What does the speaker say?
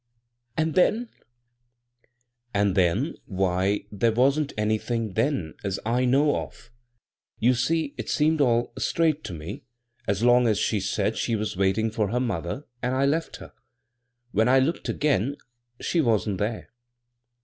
And then ?" "And then — why, there wasn't anything then, as I know of. You see it seemed all straight to me, as long as she said she was waiting for her mother, and I left her. When I looked again — she wasn't there."